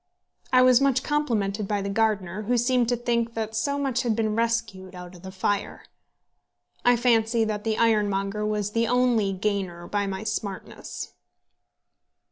I was much complimented by the gardener, who seemed to think that so much had been rescued out of the fire. I fancy that the ironmonger was the only gainer by my smartness.